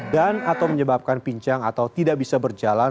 dan atau menyebabkan pincang atau tidak bisa berjalan